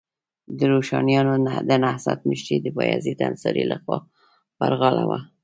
د روښانیانو د نهضت مشري د بایزید انصاري لخوا پر غاړه وه.